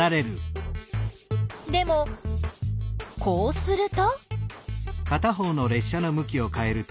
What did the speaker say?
でもこうすると？